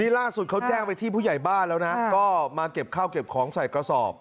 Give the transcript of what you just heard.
ล่าสุดเขาแจ้งไปที่ผู้ใหญ่บ้านแล้วนะก็มาเก็บข้าวเก็บของใส่กระสอบ